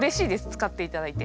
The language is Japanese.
使っていただいて。